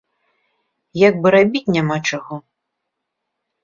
Як бы рабіць няма чаго.